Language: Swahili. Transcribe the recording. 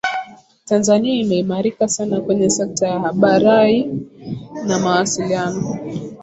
tanzania imeimarika sana kwenye sekta ya habarai na mawasiliano